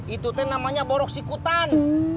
itu te namanya boroksikutan